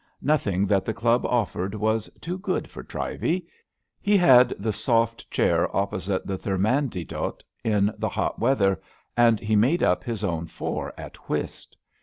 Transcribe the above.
Nothing that the Club offered was too good for Trivey. He had the soft chair opposite the ther mantidote in the hot weather, and he made up his own four at whist.